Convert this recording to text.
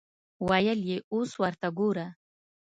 ویل یې اوس ورته ګوره.